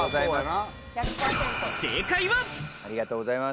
正解は。